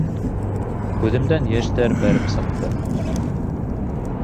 Күҙемдән йәштәр бәреп сыҡты.